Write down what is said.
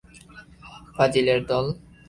ফাজিলের দল!